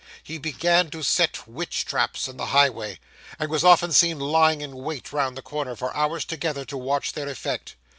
He began to set witch traps in the highway, and was often seen lying in wait round the corner for hours together, to watch their effect.